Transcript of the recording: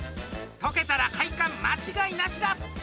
解けたら快感間違いなしだ！